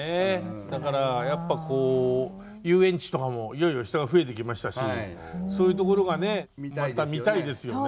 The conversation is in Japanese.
だからやっぱ遊園地とかもいよいよ人が増えてきましたしそういうところがねまた見たいですよね。